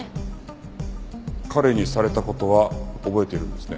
彼にされた事は覚えてるんですね。